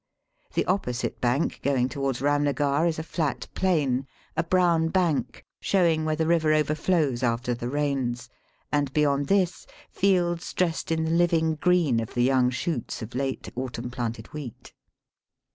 The opposite bank going towards Eamnagar is a flat plain, a brown bank showing where the river over flows after the rains, and beyond this, fields dressed in the living green of the young shoots of late autumn planted wheat.